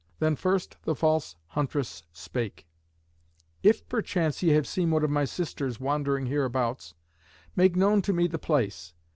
Then first the false huntress spake, "If perchance ye have seen one of my sisters wandering hereabouts, make known to me the place.